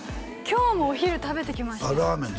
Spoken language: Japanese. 今日もお昼食べてきましたラーメン